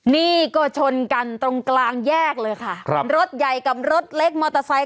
นี่ก็ชนกันตรงกลางแยกเลยค่ะครับรถใหญ่กับรถเล็กมอเตอร์ไซค